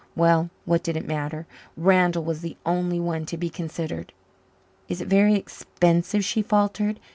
Well, what did it matter? Randall was the only one to be considered. "Is it very expensive?" she faltered.